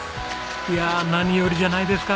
いやあ何よりじゃないですか。